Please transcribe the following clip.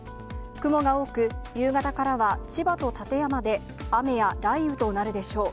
雲が多く、夕方からは千葉と館山で雨や雷雨となるでしょう。